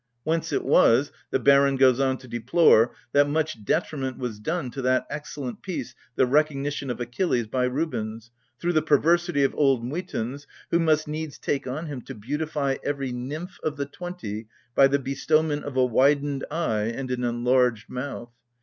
WTience it was, — the Baron goes on to deplore, — that much detriment was done to that excellent piece " The Recognition of Achilles," by Rubens, through the perversity of Old Muytens, " who must needs take on him to beautify every nymph of the twenty by the be stowment of a widened eye and an enlarged mouth."